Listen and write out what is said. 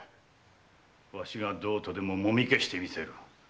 わしがどうとでももみ消してみせるわ。